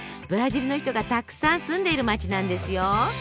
ブラジルの人がたくさん住んでいる町なんですよ。